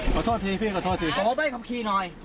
ขอโทษทีพี่โบนใบ้ขับขี่หน่อย